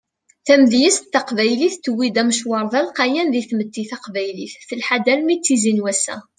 Tamedyazt taqbaylit tewwi-d amecwar d alqayan di tmetti taqbaylit telḥa-d armi d tizi n wass-a.